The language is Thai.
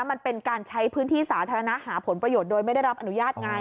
มันเป็นการใช้พื้นที่สาธารณะหาผลประโยชน์โดยไม่ได้รับอนุญาตไง